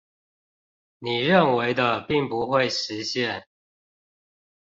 你認為的並不會實現